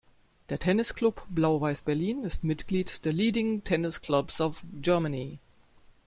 Der Tennisclub Blau-Weiss Berlin ist Mitglied der Leading Tennis Clubs of Germany.